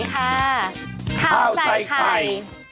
ข้าวใส่ไข่